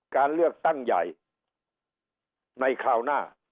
การเลือกตั้งใหญ่ในคราวหน้า